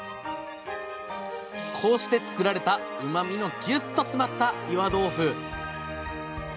こうして作られたうまみのギュッと詰まった岩豆腐！